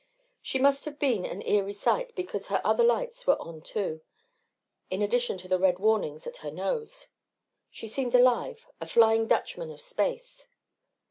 She must have been an eerie sight because her other lights were on too, in addition to the red warnings at her nose. She seemed alive, a Flying Dutchman of space.